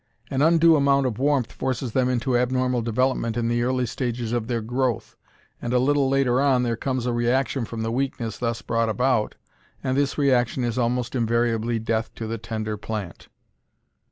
An undue amount of warmth forces them into abnormal development in the early stages of their growth, and a little later on there comes a reaction from the weakness thus brought about, and this reaction is almost invariably death to the tender plant.